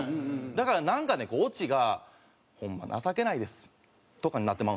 だからなんかねオチが「ホンマ情けないです」とかになってまうんですよ。